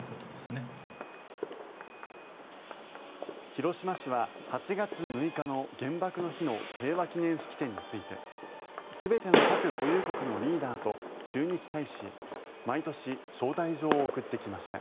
広島市は８月６日の原爆の日の平和記念式典について全ての核保有国のリーダーと駐日大使に毎年、招待状を送ってきました。